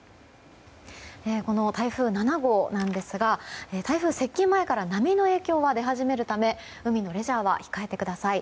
この台風７号なんですが台風接近前から波の影響が出始めるため海のレジャーは控えてください。